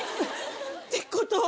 えっ？